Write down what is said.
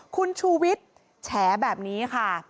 คุณชูวิทย์แฉแบบนี้ค่ะ